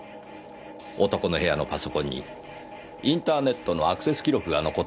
男の部屋のパソコンにインターネットのアクセス記録が残っていたそうですよ。